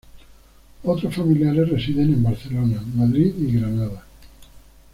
Otros familiares residen en Barcelona, Madrid y Granada.